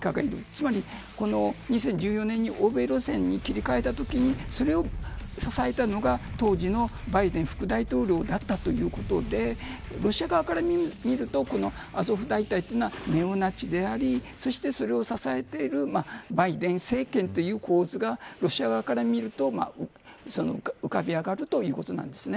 つまり２０１４年欧米路線に切り替えたときにそれを支えたのが、当時のバイデン副大統領だったということでロシア側から見るとアゾフ大隊というのはネオナチでありそして、それを支えているバイデン政権という構図がロシア側から見ると浮かび上がるということなんです。